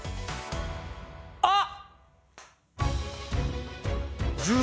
あっ！